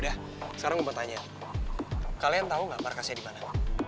udah sekarang bertanya kalian tahu nggak markasnya di mana